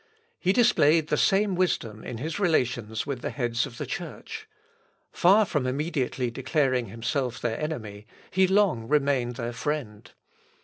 He displayed the same wisdom in his relations with the heads of the Church. Far from immediately declaring himself their enemy, he long remained their friend.